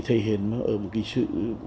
thể hiện ở một cái sự